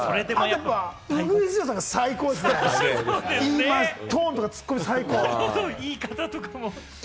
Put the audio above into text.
ウグイス嬢さんが最高でしたね、トーンとかツッコミ最高！